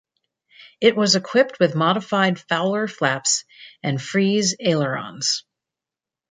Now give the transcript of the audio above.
It was equipped with modified Fowler flaps and Frise ailerons.